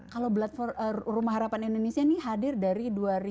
kalau blood for life rumah harapan indonesia ini hadir dari dua ribu empat belas